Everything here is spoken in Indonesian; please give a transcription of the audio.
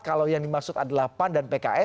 kalau yang dimaksud adalah pan dan pks